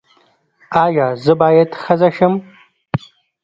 ایا زه باید ښځه شم؟